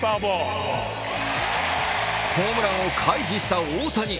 ホームランを回避した大谷。